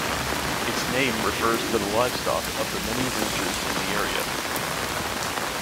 Its name refers to the livestock of the many ranchers in the area.